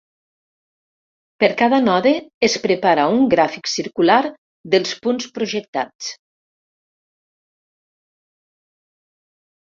Per cada node es prepara un gràfic circular dels punts projectats.